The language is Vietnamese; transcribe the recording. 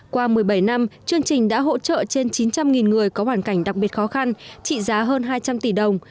qua một mươi bảy năm chương trình đã hỗ trợ trên chín trăm linh người có hoàn cảnh đặc biệt khó khăn trị giá hơn hai trăm linh tỷ đồng